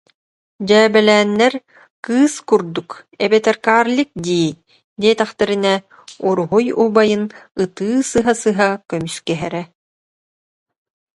Дьээбэлээннэр «кыыс курдук эбэтэр карлик дии» диэтэхтэринэ, «уруһуй убайын» ытыы сыһа-сыһа көмүскэһэрэ